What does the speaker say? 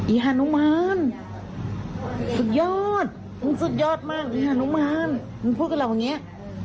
ฮานุมานสุดยอดมึงสุดยอดมากอีฮานุมานมึงพูดกับเราอย่างนี้